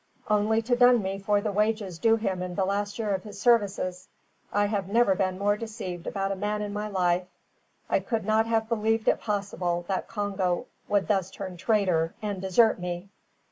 "Only to dun me for the wages due him for the last year of his services. I have never been more deceived about a man in my life. I could not have believed it possible that Congo would thus turn traitor and desert me."